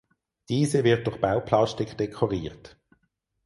Diese wird durch Bauplastik dekoriert.